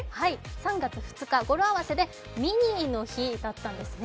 ３月２日、語呂合わせでミニーの日だったんですね。